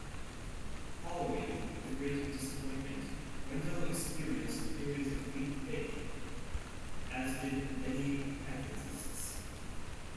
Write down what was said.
Following the "Great Disappointment" Wendell experienced periods of weak faith, as did many Adventists.